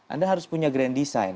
anda harus punya grand design